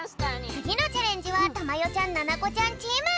つぎのチャレンジはたまよちゃんななこちゃんチーム！